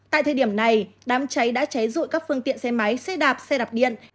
tại thời điểm này đám cháy đã cháy dụi các phương tiện xe máy xe đạp xe đạp điện